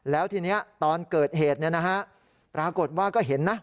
แล้วทีนี้ตอนเกิดเหตุปรากฏว่าก็เห็นนะ